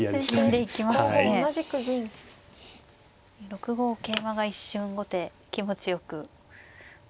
６五桂馬が一瞬後手気持ちよく。